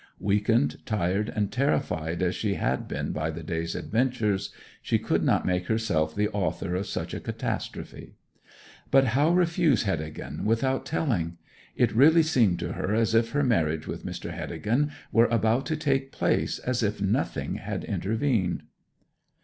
Weakened, tired, and terrified as she had been by the day's adventures, she could not make herself the author of such a catastrophe. But how refuse Heddegan without telling? It really seemed to her as if her marriage with Mr. Heddegan were about to take place as if nothing had intervened.